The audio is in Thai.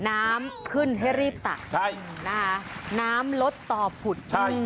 น้ำขึ้นให้รีบต่างน้ำรดต่อผุด